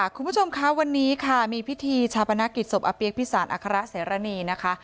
คุณผู้ชมค่ะวันนี้ขายมีพิธีชาบพนาคิตสบอเปียกพิศาลอัคระเสริรณีนะคะ